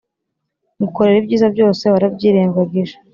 ngukorera ibyiza byose warabyirengagije